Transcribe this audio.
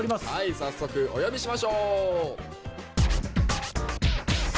早速お呼びしましょう。